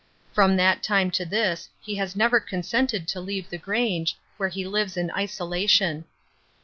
From that time to this he has never consented to leave the Grange, where he lives in isolation.